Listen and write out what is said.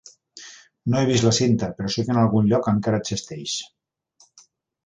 No he vist la cinta, però sé que en algun lloc encara "existeix".